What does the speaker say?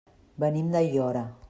Venim d'Aiora.